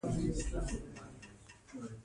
نوې مجله تازه مطالب لري